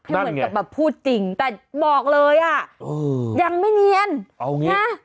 นั่นไงแบบพูดจริงแต่บอกเลยอ่ะยังไม่เนียนนะเออเอาอย่างนี้